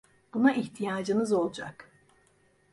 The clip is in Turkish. Buna ihtiyacınız olacak.